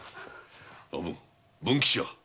おぶん文吉は？